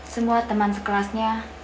semua teman sekelasnya